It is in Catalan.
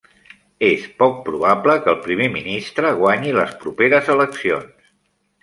És poc probable que el primer ministre guanyi les properes eleccions.